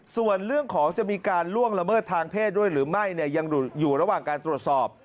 ส่วนเรื่องของจะมีการล่วงละเมิดทางเพศด้วยหรือไม่เนี่ยยังอยู่ระหว่างการตรวจสอบ